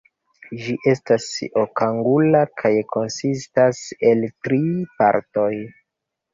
Ĝi estas okangula kaj konsistas el tri partoj.